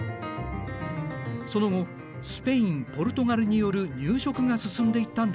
その後スペインポルトガルによる入植が進んでいったんだ。